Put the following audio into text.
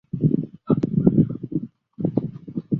顶端是鎏金的胜利女神和两个侍从像。